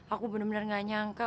aku bener bener gak nyangka